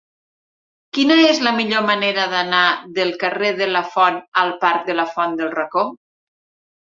Quina és la millor manera d'anar del carrer de Lafont al parc de la Font del Racó?